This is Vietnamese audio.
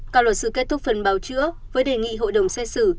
các luật sư kết thúc phần bào chữa với đề nghị hội đồng xét xử